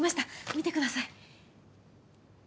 見てください。